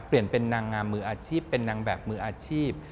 เป็นนางงามมืออาชีพเป็นนางแบบมืออาชีพ